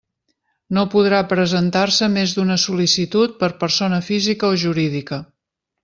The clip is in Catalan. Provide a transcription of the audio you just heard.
No podrà presentar-se més d'una sol·licitud per persona física o jurídica.